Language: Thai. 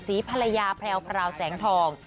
สีภรรยาแพลวพราวแสงทอง